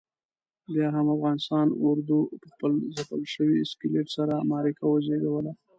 بیا هم افغانستان اردو پخپل ځپل شوي اسکلیت سره معرکه وزېږوله.